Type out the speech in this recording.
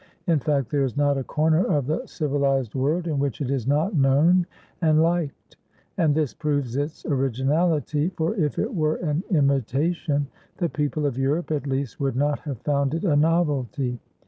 In fact, there is not a corner of the civilized world in which it is not known and liked. And this proves its originality, for if it were an imitation, the people of Europe, at least, would not have found it a novelty.